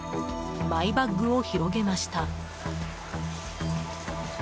マイバッグを広げました。